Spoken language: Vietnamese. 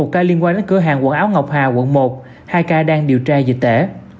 một ca liên quan đến cửa hàng quần áo ngọc hà quận một hai ca đang điều tra dịch tễ